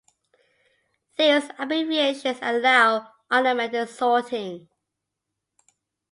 These abbreviations allow automated sorting.